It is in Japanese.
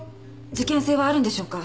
事件性はあるんでしょうか？